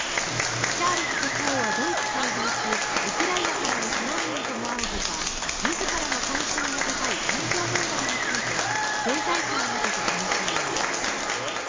チャールズ国王はドイツ滞在中ウクライナからの避難民とも会うほか自らの関心も高い環境問題について政財界などを話し合います。